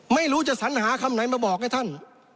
ไม่รู้จะสัญหาคำไหนมาบอกให้ท่าน